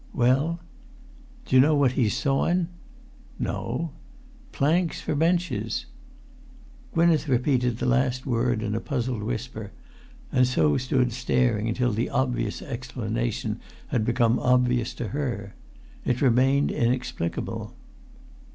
"Well?" "Do you know what he's sawun?" "No." "Planks for benches!" Gwynneth repeated the last word in a puzzled whisper; and so stood staring until the obvious explanation had become obvious to her. It remained inexplicable.